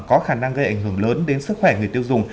có khả năng gây ảnh hưởng lớn đến sức khỏe người tiêu dùng